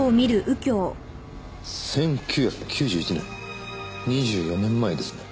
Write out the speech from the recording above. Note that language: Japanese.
１９９１年２４年前ですね。